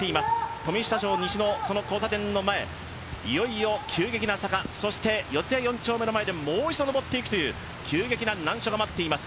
富久町西の交差点の前、いよいよ急激な坂そして四谷四丁目の前でもう一度上っていくという急激な要所がまっています。